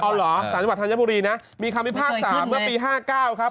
เอาเหรอสารจังหวัดธัญบุรีนะมีคำพิพากษาเมื่อปี๕๙ครับ